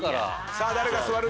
さあ誰が座る？